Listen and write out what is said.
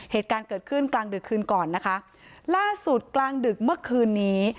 เหตุการณ์เกิดขึ้นกลางดึกคืนก่อนนะคะล่าสุดกลางดึกเมื่อคืนนี้